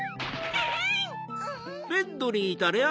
アン！